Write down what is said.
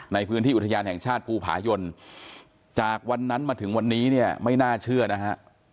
ในพื้นที่อุทยานแห่งชาติภูผายนจากวันนั้นมาถึงวันนี้เนี่ยไม่น่าเชื่อนะฮะ